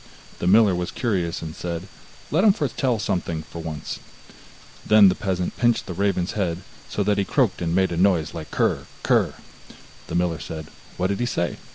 The miller was curious, and said: 'Let him foretell something for once.' Then the peasant pinched the raven's head, so that he croaked and made a noise like krr, krr. The miller said: 'What did he say?